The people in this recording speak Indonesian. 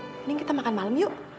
ini kita makan malam yuk